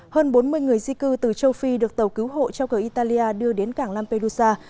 hơn bốn mươi người di cư từ châu phi được tàu cứu hộ trao cờ italia đưa đến cảng lampedusa